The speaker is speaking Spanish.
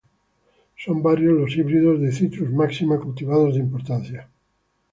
Son varios los híbridos de "Citrus maxima" cultivados de importancia.